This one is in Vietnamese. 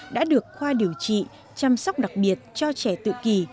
đã được khoa điều trị chăm sóc đặc biệt cho trẻ tự kỳ